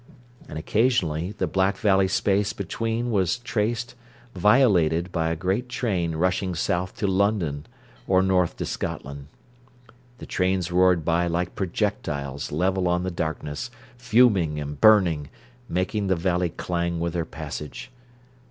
And occasionally the black valley space between was traced, violated by a great train rushing south to London or north to Scotland. The trains roared by like projectiles level on the darkness, fuming and burning, making the valley clang with their passage.